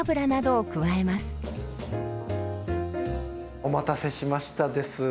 お待たせしましたです。